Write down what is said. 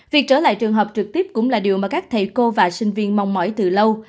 việc trở lại trường học trực tiếp cũng là điều mà các thầy cô và sinh viên mong mỏi từ lâu